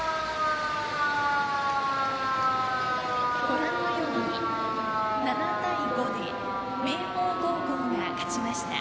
ご覧のように７対５で明豊高校が勝ちました。